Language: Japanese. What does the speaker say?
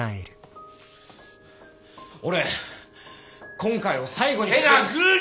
俺今回を最後にしよう。